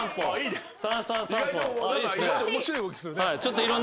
意外と面白い動きするね。